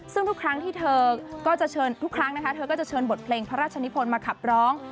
ซึ่งทุกครั้งที่เธอเธอก็เชิญบทเพลงพระราชนิพลมาขับร้อง